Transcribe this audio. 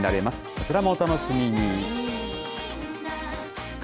そちらもお楽しみに。